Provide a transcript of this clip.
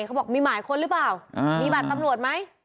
เขาบอกมีหมายค้นหรือเปล่ามีบัตรตำรวจไหม